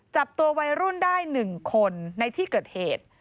จับตัววัยรุ่นได้๑คนในที่เกิดเหตุ